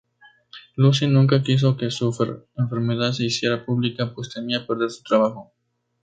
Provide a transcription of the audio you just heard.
Lucy nunca quiso que su enfermedad se hiciera pública, pues temía perder su trabajo.